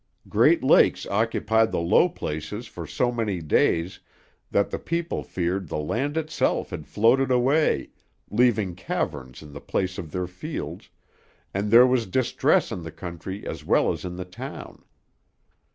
Great lakes occupied the low places for so many days that the people feared the land itself had floated away, leaving caverns in the place of their fields, and there was distress in the country as well as in the town.